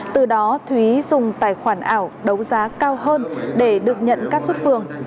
từ đó thúy dùng tài khoản ảo đấu giá cao hơn để được nhận các xuất phường